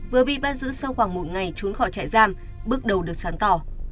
vừa bị bắt giữ sau khoảng một ngày trốn khỏi trại giam bước đầu được sáng tỏ